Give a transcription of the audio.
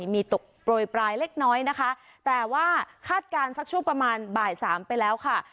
มีตกโปรยปลายเล็กน้อยนะคะแต่ว่าคาดการณ์สักช่วงประมาณบ่ายสามไปแล้วค่ะ